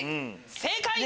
正解！